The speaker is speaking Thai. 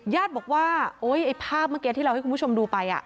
ญาติบอกว่าโอ๊ยไอ้ภาพเมื่อกี้ที่เราให้คุณผู้ชมดูไป